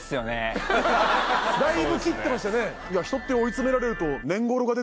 だいぶ切ってましたね。